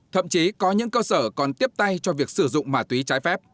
thậm chí có những cơ sở còn tiếp tay cho việc sử dụng ma túy trái phép